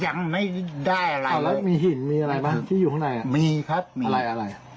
ยังไม่ได้อะไรแล้วมีหินมีอะไรบ้างที่อยู่ข้างในมีครับมีอะไรอะไร